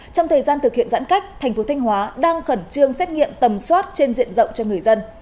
trong thời gian thực hiện giãn cách thành phố thanh hóa đang khẩn trương xét nghiệm tầm soát trên diện rộng cho người dân